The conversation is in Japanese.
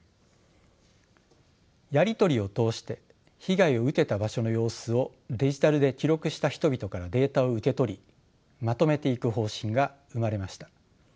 やりとりを通して被害を受けた場所の様子をデジタルで記録した人々からデータを受け取りまとめていく方針が生まれました。